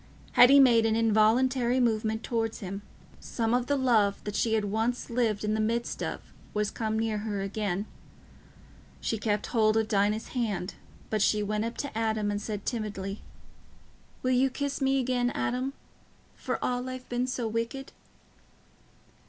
Hetty made an involuntary movement towards him, some of the love that she had once lived in the midst of was come near her again. She kept hold of Dinah's hand, but she went up to Adam and said timidly, "Will you kiss me again, Adam, for all I've been so wicked?"